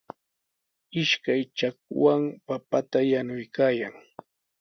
Ishkay chakwan papata yanuykaayan.